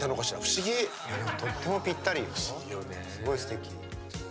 すごいすてき。